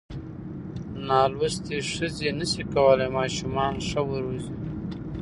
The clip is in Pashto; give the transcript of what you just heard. نالوستې ښځې نشي کولای ماشومان ښه وروزي.